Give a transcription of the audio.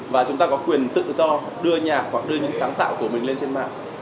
và chúng ta có quyền tự do đưa nhạc hoặc đưa những sáng tạo của mình lên trên mạng